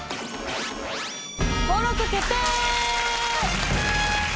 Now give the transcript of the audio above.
登録決定！